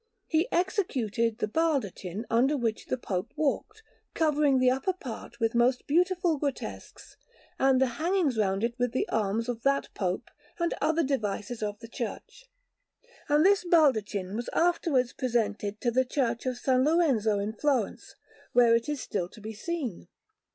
He executed the baldachin under which the Pope walked, covering the upper part with most beautiful grotesques, and the hangings round it with the arms of that Pope and other devices of the Church; and this baldachin was afterwards presented to the Church of S. Lorenzo in Florence, where it is still to be seen.